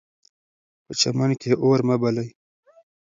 په چمن کې اور مه بلئ.